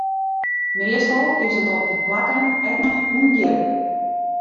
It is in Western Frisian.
Meastal is it op dy plakken ek noch ûndjip.